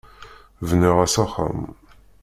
Bniɣ-as axxam.